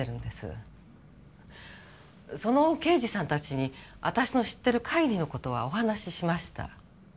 その刑事さんたちに私の知ってる限りの事はお話ししました。